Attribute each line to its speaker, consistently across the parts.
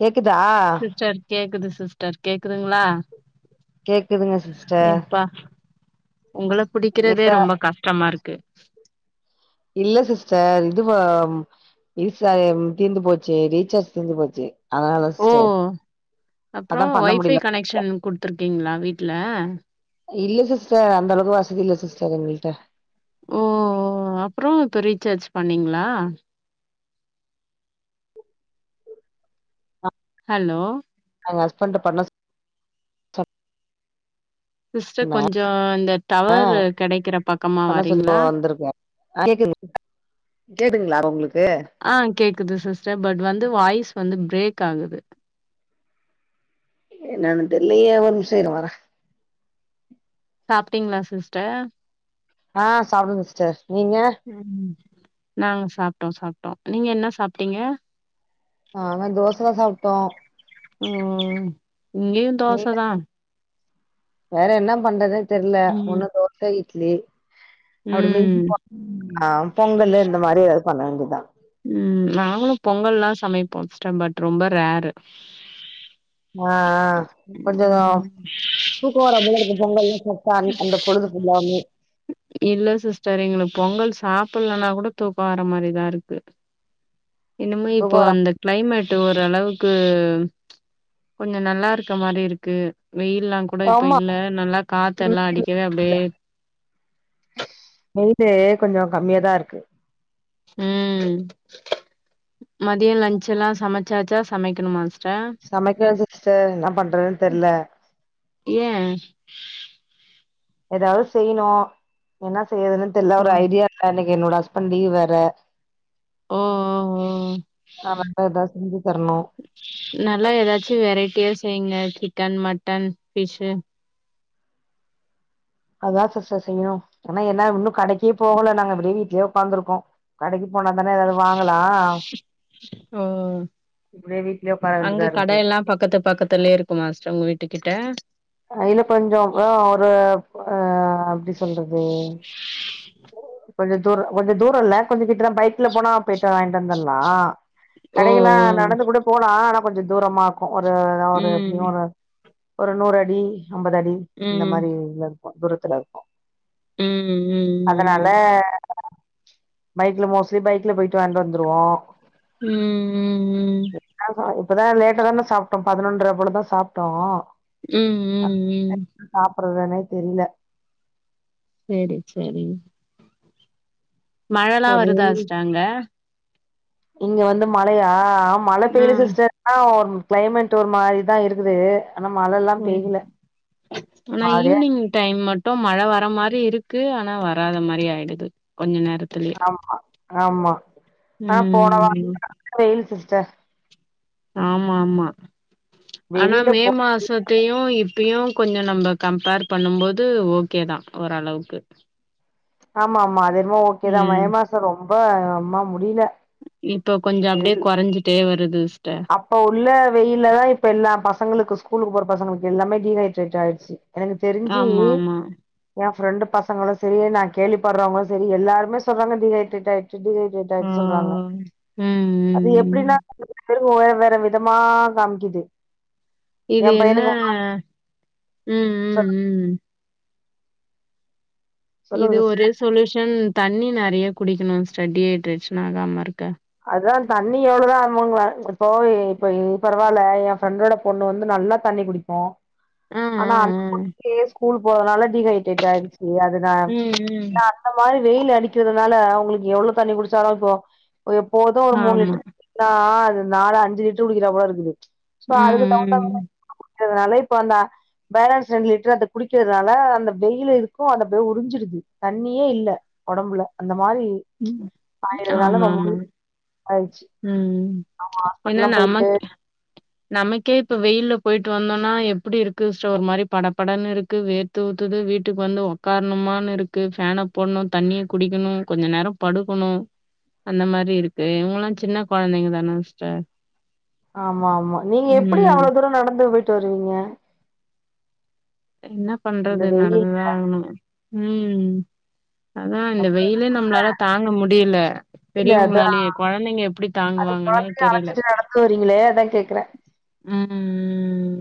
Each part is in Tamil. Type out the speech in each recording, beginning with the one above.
Speaker 1: கேக்குதா
Speaker 2: சிஸ்டர் கேக்குது சிஸ்டர் கேக்குதுங்ளா
Speaker 1: கேக்குதுங்க சிஸ்டர்
Speaker 2: எப்பா உங்கள புடிக்கிறதே
Speaker 1: இல்ல
Speaker 2: ரொம்ப கஷ்டமாருக்கு
Speaker 1: இல்ல சிஸ்டர் இதுவா விசா தீந்து போச்சு ரீசார்ஜ் தீந்து போச்சு அதனாலதா
Speaker 2: ஓ
Speaker 1: சிஸ்டர் அதான் பண்ண முடியில
Speaker 2: கனெக்ஷ்ன் குடுத்துருக்கீங்களா வீட்ல
Speaker 1: இல்ல சிஸ்டர் அந்த அளவுக்கு வசதி இல்ல சிஸ்டர் எங்கள்ட்ட
Speaker 2: ஓ அப்றோ இப்ப ரீசார்ஜ் பண்ணீங்ளா ஹலோ
Speaker 1: எங்க ஹஸ்பண்ட பண்ண சொ
Speaker 2: சிஸ்டர்
Speaker 1: சொன்னே
Speaker 2: கொஞ்சோ இந்த டவர்ரு கெடைக்கிற பக்கமா வரீங்ளா
Speaker 1: கேக்குதுங் கேக்குதுங்ளா உங்களுக்கு
Speaker 2: ஆ கேக்குது சிஸ்டர் பட் வந்து வாய்ஸ் வந்து பிரேக் ஆகுது
Speaker 1: என்னானு தெர்லயே ஒரு நிமிஷொ இருங வற
Speaker 2: சாப்ட்டீங்ளா சிஸ்டர்
Speaker 1: ஆ சாப்ட சிஸ்டர் நீங்க
Speaker 2: ம் நாங்க சாப்ட்டோ சாப்ட்டோ நீங்க என்ன சாப்ட்டீங்க
Speaker 1: நாங்க தோசதா சாப்ட்டோ
Speaker 2: ஓ இங்கேயு தோச
Speaker 1: நீங்க
Speaker 2: தா
Speaker 1: வேற என்ன பண்றதுன் தெர்ல
Speaker 2: ம்
Speaker 1: ஒன்னு தோச இட்லி அப்டி மிஞ்சி
Speaker 2: ம்
Speaker 1: [inaudible] பொங்கலு இந்த மாரி எதாது பண்ண வேண்டியதா
Speaker 2: ம் நாங்களு பொங்கல்லா சமைப்போ சிஸ்டர் பட் ரொம்ப ரேரு
Speaker 1: ஆ ஆ கொஞ்சோ
Speaker 2: ம்
Speaker 1: தூக்கோ வராபோல இருக்கு பொங்கல்லா சாப்ட்டா அந்த அந்த பொழுது ஃபுல்லாவே
Speaker 2: இல்ல சிஸ்டர் எங்களுக்கு பொங்கல் சாப்பிலன்னா கூட தூக்கோ வர மாரிதா இருக் என்னமோ
Speaker 1: தூக்கோ
Speaker 2: இப்போ
Speaker 1: வர
Speaker 2: அந்த கிளைமேட்டு ஓரளவுக்கு கொஞ்ச நல்லாருக்க மாரிருக்கு வெயில்லா கூட இப்ப
Speaker 1: ஆமா
Speaker 2: இல்ல நல்லா காத்த எல்லா அடிக்கவே அப்டியே
Speaker 1: வெயிலே கொஞ்சோ கம்மியாதா இருக்கு
Speaker 2: ம் மதிய லன்ச் எல்லா சமைச்சாச்சா சமைக்கணுமா சிஸ்டர்
Speaker 1: சமைக்கல சிஸ்டர் என்னா பண்றதுன் தெர்ல
Speaker 2: ஏ
Speaker 1: எதாவது செய்ணு என்ன செய்றதுனு தெரில
Speaker 2: ஓ
Speaker 1: ஒரு ஐடியா இல்ல இன்னைக்கு என்னோட ஹஸ்பண்ட் லீவ் வேற
Speaker 2: ஓ ஓ ஓ
Speaker 1: [inaudible] எதா செஞ்சு தர்ணு
Speaker 2: நல்லா எதாச்சு வெரைட்டியா செய்ங்க சிக்கன் மட்டன் ஃபிஷ்
Speaker 1: அதா சிஸ்டர் செய்ணு ஆனா என்ன இன்னு கடைக்கே போகல நாங்க இப்டியே வீட்லே ஒக்காந்துருக்கோ கடைக்கு போனா தான எதாது வாங்கலா
Speaker 2: ஓ ஓ
Speaker 1: இப்டியே வீட்லயே உக்கார வேண்டியதா
Speaker 2: அங்க
Speaker 1: இருக்குது
Speaker 2: கடை எல்லா பக்கத்துல பக்கத்துலே இருக் குமா சிஸ் உங்க வீட்டு கிட்ட
Speaker 1: அ இன்னு கொஞ்சோ ஆ ஒரு அ டி ஸ் எப்டி சொல்றது கொஞ்ச தூரோ கொஞ்ச தூரோ இல்ல கொஞ்ச கிட்டதா பைக்ல போனா போய்ட்டு வாங்கிட்டு வந்துல்லா
Speaker 2: ஓ
Speaker 1: கடைக்குலா நடந்து கூட போலா ஆனா கொஞ்ச தூரமா இருக்கு ஒரு அது ஒரு
Speaker 2: ம்
Speaker 1: எப்டியு ஒரு ஒரு நூறு அடி அம்பதடி இந்த
Speaker 2: ம்
Speaker 1: மாரில இருக்கு தூரத்துல இருக்கு
Speaker 2: ம் ம்
Speaker 1: அதுனால பைக்ல மோஸ்ட்லி பைக்ல போயிட்டு வாங்கிட்டு வந்துருவோ
Speaker 2: ம் ம்
Speaker 1: என்னா இப்ப இப்பதா லேட்டா தான சாப்ட்டோ பதினொன்ற போலதா சாப்டோ
Speaker 2: ம் ம் ம்
Speaker 1: சாப்பட்றதுனே தெரில
Speaker 2: சேரி சேரி மழல்லா
Speaker 1: ஒரு
Speaker 2: வருதா சிஸ்டர் அங்க
Speaker 1: இங்க வந்து மழையா அ மழ பெய்யுல
Speaker 2: ம்
Speaker 1: சிஸ்டர் ஆ ஒரு கிளைமேட் ஒரு மாரிதா இருக்குது ஆனா மழல்லா
Speaker 2: ம்
Speaker 1: பெய்யல
Speaker 2: ஆனா
Speaker 1: மாரியா
Speaker 2: ஈவ்னிங் டைம் மட் ட்டு மழ வர மாரி இருக்கு ஆனா வராத மாரி ஆயிடுது கொஞ்ச நேரத்
Speaker 1: ஆமா ஆமா ஆ போன வாரோ
Speaker 2: ம்
Speaker 1: நல்ல வெயில் சிஸ்டர்
Speaker 2: ஆமா ஆமா ஆனா
Speaker 1: வெளில
Speaker 2: மே
Speaker 1: போ
Speaker 2: மாசத் த்தியு இப்பியு கொஞ்ச நம்ம கம்பேர் பண்ணு போது ஓகே தா ஓரளவுக்கு
Speaker 1: ஆமா ஆமா அத என்னுமோ ஓகேதா
Speaker 2: ம்
Speaker 1: மே மாசோ ரொம்ப அம்மா முடில
Speaker 2: இப்ப கொஞ்சோ அப்டே கொறஞ்சிட்டே வருது சிஸ்டர்
Speaker 1: அப்ப உள்ள வெயில்ல தா இப்ப எல்லா பசங்களுக்கு ஸ்கூலுக்கு போற பசங்களுக்கு எல்லாமே டீஹைட்ரேட் ஆயிடுச்சு எனக்கு தெரிஞ்சு
Speaker 2: ஆமா ஆமா
Speaker 1: ஏன் ஃப்ரெண்டு பசங்களு செரி நா கேள்விப்பட்றவங்களு செரி எல்லாருமே சொல்றாங்க டீ ஹைட்ரேட் ஆயிட் ட்டு டீ ஹைட்ரெட்
Speaker 2: ஆ
Speaker 1: ஆயிச்சு சொல்றாங்க
Speaker 2: ம் ம்
Speaker 1: அது
Speaker 2: ம்
Speaker 1: எப்டினா திரும்ப ஓ [unintelligible] வேற விதமா காமிக்குது
Speaker 2: இது
Speaker 1: என்
Speaker 2: என்ன
Speaker 1: பையனுக்கு
Speaker 2: ம்
Speaker 1: சொல்
Speaker 2: ம் ம்
Speaker 1: சொல்லுங்க
Speaker 2: இது ஒரே
Speaker 1: சிஸ்டர்
Speaker 2: சொலுஷன் தண்ணி நறைய குடிக்கணு சிஸ்டர் டீ ஹைட்ரேட் ஆகாம இருக்க
Speaker 1: அதா தண்ணி எவ்ளோ தா அமுங்க இப்போ இப்ப பரவால்ல ஏன் ஃப்ரெண்டோட பொண்ணு வந்து நல்லா தண்ணி குடிக்கு
Speaker 2: ஆ ஆ
Speaker 1: ஆனா அந்த
Speaker 2: ஆ
Speaker 1: பொண்ணுக்கே ஸ்கூல் போறதுனால டீஹைட்ரேட் ஆயிடுச்சு அது
Speaker 2: ம்
Speaker 1: ஏ
Speaker 2: ம்
Speaker 1: இல்ல அந்த மாரி வெயில் அடிக்கிறதுனால உங்குளுக்கு எவ்ளோ தண்ணி குடிச்சாலு இப்போ ஒரு எப்போது ஒரு மூணு
Speaker 2: ஆமா
Speaker 1: லிட்ரு [inaudible] அது நாலு அஞ்சு லிட்ரு குடிக்கறா போல இருக்குது சோ அதுக்கு
Speaker 2: ம்
Speaker 1: தகுந்த மாரி தண்ணி குடிக்கறதுனால இப்ப அந்த பேலன்ஸ் ரெண்டு லிட்ரு அத குடிக்கறதுனால அந்த வெயில் இருக்கு அந்த அப்டியே உறிஞ்சிருது தண்ணியே இல்ல ஒடம்புல அந்த மாரி
Speaker 2: ம்
Speaker 1: ஆயிறதுனால
Speaker 2: ஆமா
Speaker 1: [inaudible] முழு
Speaker 2: ஆமா
Speaker 1: ஆயிருச்சு
Speaker 2: ம்
Speaker 1: ஆமா
Speaker 2: ஏன்னா
Speaker 1: ஹாஸ்பிட்டல்லாம் போய்டு
Speaker 2: நமக் நமக்கே இப்ப வெயில்ல போய்டு வந்தோன்னா எப்படி இருக்கு சோ ஒரு மாதிரி படப்படன்னு இருக்கு வே த்து ஊத்துத்து வீட்டுக்கு வந்து உட்க்காரணுமானு இருக்கு ஃபேன போடணும் தண்ணிய குடிக்கணும் கொஞ்ச நேரம் படுக்கணும் அந்த மாதிரி இருக்கு இவங்கல்லாம் சின்ன குழந்தைங்க தான சிஸ்டர்.
Speaker 1: ஆமா ஆமா நீங்க எப்டி
Speaker 2: ம்.
Speaker 1: அவ்வளவு தூரம் நடந்து போயிட்டு வருவீங்க
Speaker 2: என்ன
Speaker 1: இந்த
Speaker 2: பண்றது
Speaker 1: வெயில்
Speaker 2: நடந்துதா ஆகணும் ம் அதான் இந்த வெயிலே நம்மளால தாங்க முடியல
Speaker 1: இல்ல அதா
Speaker 2: பெரியவங்களாலயே குழந்தைங்க எப்டி தாங்குவாங்கன்னே தெரியல
Speaker 1: ளே அதான் கேக்குறேன்
Speaker 2: ம் ம்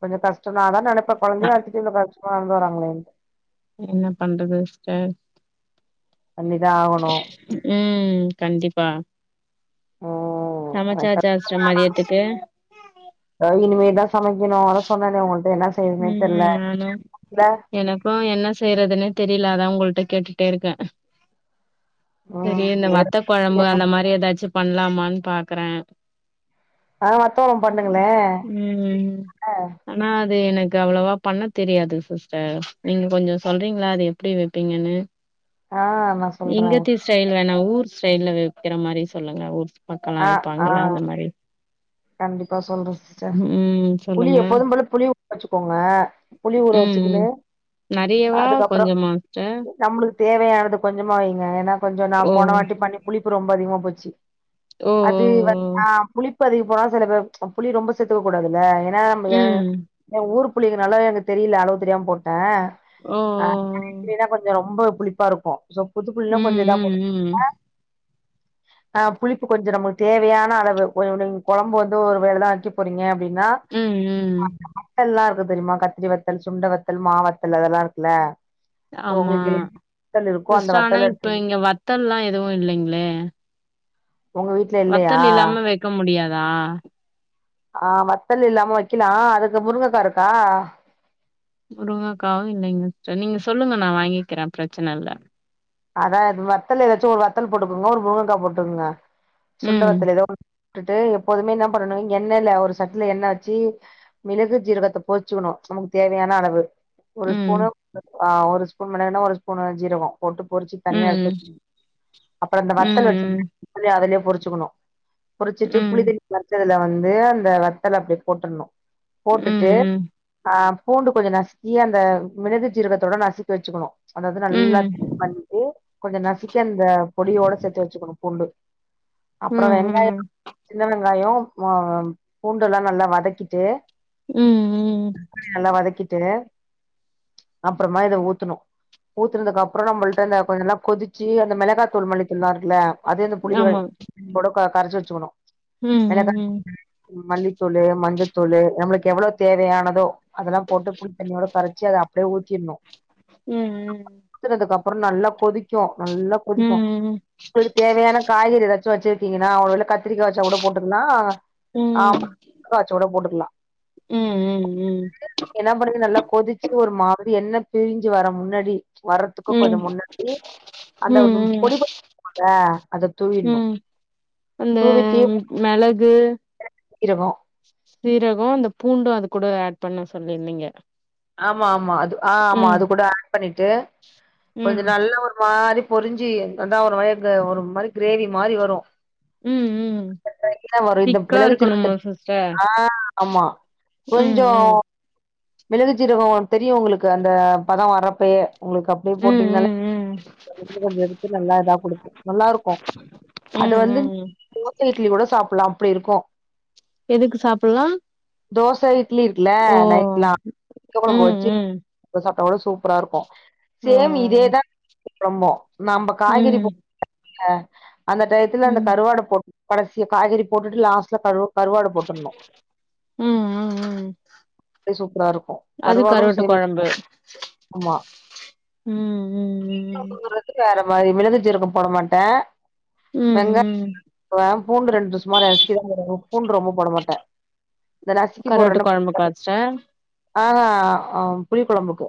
Speaker 1: கொஞ்சம் கஷ்டம் தான் அதான் நினப்பன்
Speaker 2: அ
Speaker 1: குழந்தைய வச்சிட்டு கஷ்டமா நடந்து வராங்களேன்னு
Speaker 2: என்ன பண்றது சிஸ்டர்
Speaker 1: பண்ணிதா ஆகணு
Speaker 2: உம் கண்டிப்பா
Speaker 1: ஓ
Speaker 2: சமச்சாசா சிஸ்டர் மதியத்துக்கு
Speaker 1: இனிமேதான் சமைக்கணும் அத சொன்னனே உங்களிட்ட என்ன செய்ய [unintelligible] தெரில
Speaker 2: ம் நானும்
Speaker 1: [unintelligible] கூட்டல
Speaker 2: எனக்கும் என்ன செய்யறதுன்னே தெரியல அதான் உங்கள்ட கேட்டுட்டே இருக்கேன் தெரியல வத்த
Speaker 1: ம்
Speaker 2: குழம்பு அந்த மாரி ஏதாச்சும் பண்லாமான்னு பாக்றேன்
Speaker 1: ஆ வத்தவொளம் பண்ணுங்களே
Speaker 2: ம் ம் ஆனா அது எனக்கு அவ்வளவா பண்ண தெரியாது சிஸ்டர் நீங்க கொஞ்சம் சொல்றீங்களா அது எப்டி வைப்பீங்கன்னு
Speaker 1: ஆ நா சொல்றே
Speaker 2: இங்கத்தி ஸ்டைல் வேணா ஊர் ஸ்டைல்ல வக்கிற மாரி சொல்லுங்க ஊர் பக்கமா
Speaker 1: ஆ ஆ
Speaker 2: வைப்பாங்கல்ல அந்த மாரி
Speaker 1: கண்டிப்பா சொல்றேன் சிஸ்டர்
Speaker 2: ம்
Speaker 1: புளி
Speaker 2: சொல்லுங்க
Speaker 1: எப்போதும் போல புளி ஊ வச்சுக்கோங்க புளி ஊற வச்சுக்கினு
Speaker 2: நறையவா கொஞ்சமா சிஸ்டர்
Speaker 1: நம்மளுக்கு தேவையானது கொஞ்சமா வைங்க ஏன்னா கொஞ்சம்
Speaker 2: ஓ
Speaker 1: நான் போன வாட்டி பண்ணி புளிப்பு ரொம்ப அதிகமா போச்சி
Speaker 2: ஓ ஓ
Speaker 1: அது வந் ஆ புளிப்பு அதிகம் போனா சில பேர் புளி ரொம்ப சேத்துக்க கூடாதுல்ல ஏன்னா
Speaker 2: ஓ
Speaker 1: என்
Speaker 2: ம்
Speaker 1: என் ஊர் புள்ளிக்கு நல்லா எனக்கு தெரியல அளவு தெரியாம போட்டேன்
Speaker 2: ஓ ஓ
Speaker 1: அ
Speaker 2: ஓ
Speaker 1: யனா கொஞ்சம் ரொம்ப புளிப்பா இருக்கும் ரோ புது புளிலாம்
Speaker 2: ம்
Speaker 1: கொஞ்சம் இதா போதும்
Speaker 2: ம் ம்
Speaker 1: அ அ புளிப் கொஞ்சம் நமக்கு தேவையான அளவு கொஞ்ச நீங்க குழம்பு வந்து ஒரு வேலைதான் வக்கே போறீங்க அப்டினா
Speaker 2: ம், ம்.
Speaker 1: வத்தல்லாம் இருக்கு தெரியுமா கத்திரி வத்தல் சுண்ட வத்தல் மா வத்தல் அதெல்லாம் இருக்குல்ல சோ
Speaker 2: ஆமா.
Speaker 1: உங்களுக்கு வத்தல் இருக்கும் அந்த
Speaker 2: சிஸ்டர் ஆனா
Speaker 1: வத்தல்
Speaker 2: இப்ப
Speaker 1: எடுத்த
Speaker 2: இங்க வத்தல்லாம் எதுவும் இல்லைங்களே
Speaker 1: உங்க வீட்ல இல்லையா
Speaker 2: வத்தல் இல்லாம வைக்க முடியாதா
Speaker 1: ஆ வத்தல் இல்லாம வைக்கலாம் அதுக்கு முருங்கைக்கா இருக்கா
Speaker 2: முருங்காக்காவும் இல்லைங்க சிஸ்டர் நீங்க சொல்லுங்க நான் வாங்கிக்கிறேன் பிரச்சனை இல்ல
Speaker 1: அதான் இப்ப வத்தல் ஏதாச்சும் ஒரு வத்தல் போட்டுக்குங்க ஒரு முருங்கக்கா போட்டுக்கங்க சுண்டை
Speaker 2: ம்,
Speaker 1: வத்தல் ஏதோ விட்டுட்டு எப்போதுமே என்ன பண்ணும் எண்ணெயல ஒரு சட்டில எண்ண வச்சு மிளகு ஜீரகத்தை போச்சுக்கணும் நமக்கு தேவையான அளவு ஒரு ஸ்பூனு
Speaker 2: ம்,
Speaker 1: ஒரு ஸ்பூன் மிளககுனா ஒரு ஸ்பூனு ஜீரகம் போட்டு பொரிச்சு தனியா
Speaker 2: ம்,
Speaker 1: எடுத்துக்க அப்புறம் அந்த வத்தல் வச்சு
Speaker 2: ம்,
Speaker 1: அததுலயே பொரிச்சுக்கணும்
Speaker 2: ம்,
Speaker 1: குரிச்சிட்டு புளி
Speaker 2: ம்,
Speaker 1: தண்ணி வரைச்சதுல வந்து அந்த வத்தலை அப்படியே போட்டுணும் போட்டுட்டு
Speaker 2: ம்,
Speaker 1: ஆ பூண்டு கொஞ்சம் நசுக்கி அந்த மினகு சிரகத்தோட நசுக்கி வச்சுக்கணும் அதாது நல்லா
Speaker 2: ம்,
Speaker 1: பண்ணிட்டு கொஞ்சோ நசுக்கி அந்த பொடியோட சேத்து வச்சுக்கணு பூண்டு
Speaker 2: ம்,
Speaker 1: அப்றோ வெங்காயம்
Speaker 2: ம், ம்.
Speaker 1: சின்ன வெங்காயோ மா பூண்டு எல்லா நல்லா வதக்கிட்டு
Speaker 2: ம்
Speaker 1: நல்லா வதக்கிட்டு அப்றமா இதை ஊத்தணு ஊத்துனதுக்கு அப்றோ நம்மள்ட்ட அந்த கொஞ்சோ நல்லா கொதிச்சு அந்த மிளகாய் தூள் மல்லித் தூள்லா இருக்குல்ல அதே அந்த புளித
Speaker 2: ஆமா.
Speaker 1: கூட கரைச்சு வச்சுக்கணு
Speaker 2: ம் ம்,
Speaker 1: மிளகாத்தூளு மல்லித்தூளு மஞ்சத்தூளு நம்மளுக்கு எவ்ளோ தேவையானதோ அதெல்லா போட்டு புளித்தண்ணியோட கரைச்சி அத அப்டியே ஊத்திடணு
Speaker 2: ம், ம்,
Speaker 1: ஊத்துனதுக்கு அப் பறோ நல்லா கொதிக்கும் நல்லா கொதிக்கும்
Speaker 2: ம்,
Speaker 1: உங்களுக்கு தேவையான காய்கறி ஏதாச்சும் வச்சிருக்கீங்கன்னா ஒரு வேளை கத்திரிக்கா வச்சா கூட போட்டுக்கலா
Speaker 2: ம்,
Speaker 1: ஆமா
Speaker 2: ம்,
Speaker 1: கத்திரிக்கா வெச்சா கூட போட்டுக்கலா
Speaker 2: ம், ம்,
Speaker 1: என்ன பண்ணுது நல்லா கொதிச்சு ஒரு மாதிரி எண்ணெ பிரிஞ்சு வர முன்னாடி வர்றதுக்கும் கொஞ்சோ
Speaker 2: ம்,
Speaker 1: முன்னாடி ச்சு அந்த ஒன்னு
Speaker 2: ம்,
Speaker 1: பொடி [unintelligible] இல்ல அத தூவிட்ணு
Speaker 2: ம். அந்த மிளகு
Speaker 1: மிளகு சீரகம்
Speaker 2: சீரகம் அந்த பூண்டும் அது கூட ஹேட் பண்ணும் சொல்லியிருந்தீங்க
Speaker 1: ஆமா ஆமா அது ஆ ஆமா அது கூட ஹேட் பண்ணிட்டு கொஞ்சோ
Speaker 2: ம்
Speaker 1: நல்ல ஒரு மாறி பொரிஞ்சி அத்தா ஒரு வயக்கு ஒரு மாறி கிரேவி மாறி வரும்
Speaker 2: உம் உம் உம்
Speaker 1: இந்த
Speaker 2: திக்கா
Speaker 1: மிளகு
Speaker 2: இருக்கணு
Speaker 1: சீரகத்த
Speaker 2: மோசிஸ்ட
Speaker 1: ஆ ஆமா
Speaker 2: ம் ம்
Speaker 1: மிளகுச்சீரகம் தெரியு உங்களுக்கு அந்த பதம் வர அப்பயே உங்களுக்கு அப்டியே
Speaker 2: ம்
Speaker 1: போட்டீங்கனாலே
Speaker 2: ம் ம்
Speaker 1: கொஞ்சோ கொஞ்சோ எடுத்து நல்லா இதா குடுக்கும் நல்லா இருக்கும் அது
Speaker 2: ம்
Speaker 1: வந்து
Speaker 2: ம்
Speaker 1: இட்லி கூட சாப்பிட்லா அப்பிடி இருக்கும்
Speaker 2: எதுக்கு சாப்பிட்லா
Speaker 1: தோசை இட்லி இருக்குல்ல நைட்ல்லா
Speaker 2: ம் ம்
Speaker 1: [unintelligible] இப்ப சாப்டா கூட சூப்பரா இருக்கும்
Speaker 2: ஓ
Speaker 1: சேம் இதேதா இரும்போ நம்ப காய்கறி
Speaker 2: ம்
Speaker 1: [unintelligible] அந்த டயத்துல
Speaker 2: ம்
Speaker 1: அந்த
Speaker 2: ம்
Speaker 1: கருவாட போட் கடைசியா காய்கறி போட்டுட்டு லாஸ்ட்ல கரு கருவாட போட்டன்னு
Speaker 2: ம் ம்
Speaker 1: அப்டியே சூப்பரா இருக்கும்
Speaker 2: அது
Speaker 1: கருவாடும்
Speaker 2: கருவாட்டு கொழம்பு
Speaker 1: சேமிப்பும் ஆமா
Speaker 2: ம் ம் ம்
Speaker 1: [unintelligible] தொட்டுக்க வேற மாறி மிளகு சீரகோ போட மாட்டே
Speaker 2: ம்
Speaker 1: வெங்காய
Speaker 2: ம்
Speaker 1: போடுவே பூண்டு ரெண்டு சும்மா நசிக்கிதா போடுவே பூண்டு ரொம்ப போட மாட்டே இந்த நசுக்கி
Speaker 2: கருவாட்டு
Speaker 1: போற்றன்னா
Speaker 2: கொழம்புக்கா
Speaker 1: [unintelligible]
Speaker 2: சிஸ்டர்
Speaker 1: ஆ அ புளி கொழம்புக்கு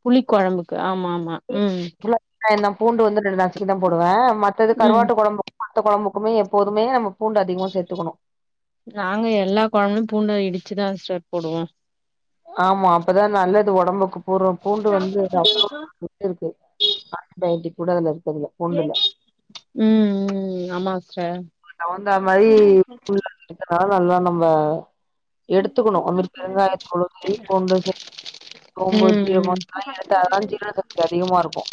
Speaker 2: புளி கொழம்புக்கு ஆமா ஆமா ம்
Speaker 1: நா இன்னம் பூண்டு வந்துட்டு ரெண்டு நசுக்கி தா போடுவே மத்தது
Speaker 2: ம்
Speaker 1: கருவாட்டு கொழம்பு மத்த கொழம்புக்குமே எப்போதுமே நம்ம பூண்டு அதிகமா சேத்துக்கணு
Speaker 2: நாங்க எல்லா கொழம்பலையு பூண்ட இடிச்சுதா ஸ்டர் போடுவோ
Speaker 1: ஆமா அப்பதா நல்லது ஒடம்புக்கு போட்ற பூண்டு வந்து அப்றோ இருக்கு [unintelligible] கூட இருக்கு அதுல
Speaker 2: ஏ
Speaker 1: பூண்டுல
Speaker 2: ம் ம் ஆமா சிஸ்டர்
Speaker 1: அதுக்கு தவுந்தா மாறி [inaudible] நல்லா நம்ம எடுத்துக்கணு அந்மாறி பெருங்காயத்தூள் மாறி கொண்டு [unintelligible] சோம்பு
Speaker 2: ம்
Speaker 1: ஜீரகோ
Speaker 2: ம்
Speaker 1: இதெல்லா எடுத்தாதா ஜீரண சக்தி அதிகமா இருக்கு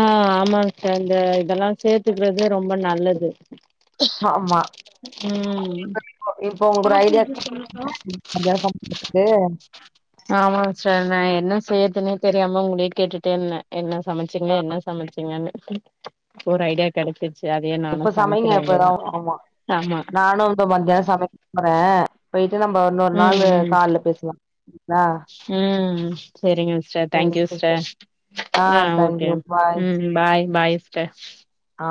Speaker 2: ஆ ஆமாங் சார் இந்த இதெல்லா சேத்துக்கறது ரொம்ப நல்லது
Speaker 1: ஆம்மா
Speaker 2: ஆப்பிள் சூஸ் எவ்லோக்கா
Speaker 1: மதியான சமையல் வந்து
Speaker 2: ஆமாங் சார் நா என்ன செய்யறதுனே தெரியாம உங்களே கேட்டுட்டே இருந்தே என்ன சமைச்சிங்க
Speaker 1: ஆ
Speaker 2: என்ன சமைச்சிங்கன்னு ஒரு ஐடியா கெடைச்சிருச் சேரி அதே நானு
Speaker 1: இப்ப சமைங்க
Speaker 2: சமைச்சிட வேண்டியதா ஆமா
Speaker 1: இப்ப மத்தியானோ சமைக்கப்போறே போயிட்டு நம்ப இன்னொரு
Speaker 2: ம்
Speaker 1: நாளு
Speaker 2: ம்
Speaker 1: கால்லா பேசலா [unintelligible]
Speaker 2: சேரிங்க சிஸ்டர் தேங்க்யூ சிஸ்டர் ஆ ஓகே
Speaker 1: தேங்க்யூ பாய்
Speaker 2: ம் பாய் பாய் சிஸ்டர்
Speaker 1: ஆ